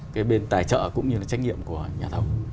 cái bên tài trợ cũng như là trách nhiệm của nhà thầu